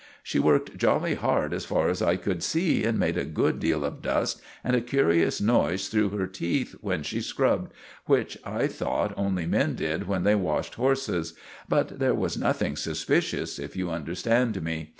She worked jolly hard as far as I could say, and made a good deal of dust, and a curious noise through her teeth when she scrubbed, which I thought only men did when they washed horses; but there was nothing suspicious, if you understand me.